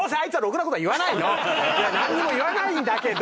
なんにも言わないんだけど。